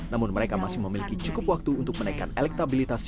namun mereka masih memiliki cukup waktu untuk menaikkan elektabilitas